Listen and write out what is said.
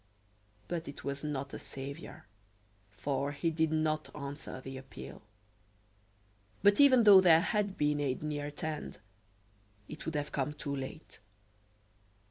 But it was not a saviour, for he did not answer the appeal. But even though there had been aid near at hand, it would have come too late.